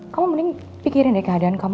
kamu mending pikirin deh keadaan kamu